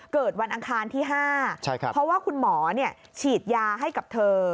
เกิดวันอังคารที่๕เพราะว่าคุณหมอฉีดยาให้กับเธอ